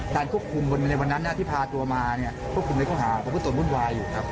ควบคุมในวันนั้นที่พาตัวมาเนี่ยควบคุมในข้อหาประพฤตนวุ่นวายอยู่ครับ